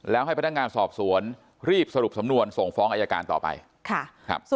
แล้วให้พนักงานสอบสวนรีบสรุปสำนวนส่งฟ้องอายการต่อไป